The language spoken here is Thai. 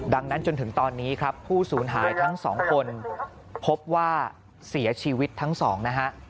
ดังนั้นจนถึงตอนนี้ครับผู้สูญหายทั้งสองคนพบว่าเสียชีวิตทั้งสองนะฮะ